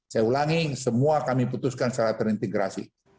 saya ulangi semua kami putuskan secara terintegrasi